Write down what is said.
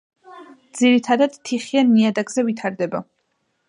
ძირითადად თიხიან ნიადაგზე ვითარდება.